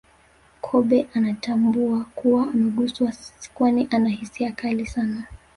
Kobe anatambua kuwa ameguswa kwani ana hisia kali sana